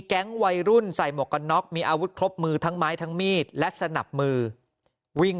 แก๊งวัยรุ่นใส่หมวกกันน็อกมีอาวุธครบมือทั้งไม้ทั้งมีดและสนับมือวิ่ง